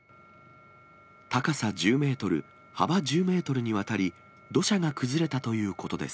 高さ１０メートル、幅１０メートルにわたり、土砂が崩れたということです。